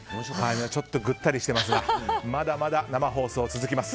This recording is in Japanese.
ちょっとぐったりしてますがまだまだ生放送、続きます。